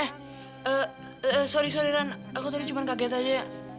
eh eh eh sorry sorry ran aku tadi cuma kaget aja